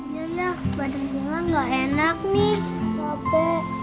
nya nya badan bella gak enak nih